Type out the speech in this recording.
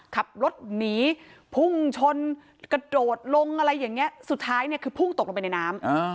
ขับรถหนีพุ่งชนกระโดดลงอะไรอย่างนี้สุดท้ายเนี่ยคือพุ่งตกลงไปในน้ำ